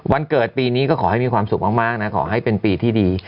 เกิดปีนี้ก็ขอให้มีความสุขมากนะขอให้เป็นปีที่ดี